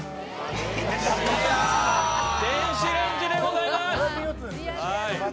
電子レンジでございます。